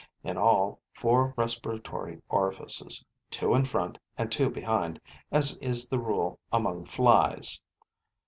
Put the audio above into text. In all, four respiratory orifices, two in front and two behind, as is the rule among Flies.